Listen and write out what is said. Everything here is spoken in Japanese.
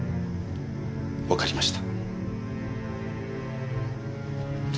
わかりました。